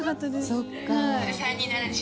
そっか。